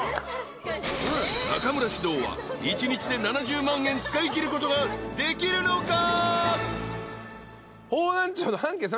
［中村獅童は一日で７０万円使いきることができるのか？］